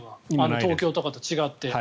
東京とかと違って。